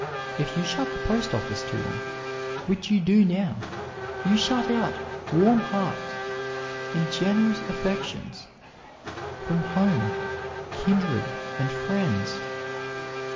If you shut the post office to them, which you do now, you shut out warm hearts and generous affections from home, kindred, and friends."